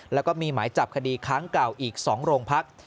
แล้วก็มีหมายจับคดีค้างเก่าอีก๒โรงพัก